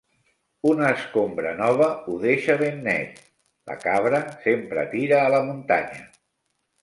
Una escombra nova ho deixa ben net. La cabra sempre tira a la muntanya.